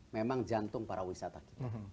memang jantung para wisata kita